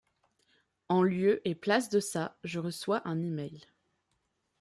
En lieu et place de ça, je reçois un email.